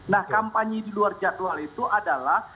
nah kampanye di luar jadwal itu adalah